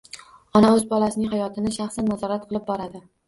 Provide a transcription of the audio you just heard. Ona o‘z bolasining hayotini shaxsan nazorat qilib boradi: